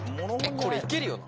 これ行けるよね？